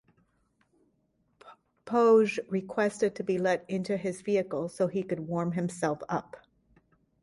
Poage requested to be let into his vehicle so he could warm himself up.